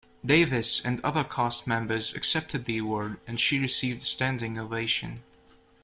Davis and other cast members accepted the award, and she received a standing ovation.